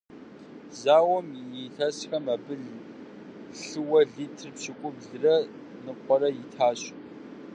Зауэм и илъэсхэм абы лъыуэ литр пщыкӏуплӏрэ ныкъуэрэ итащ.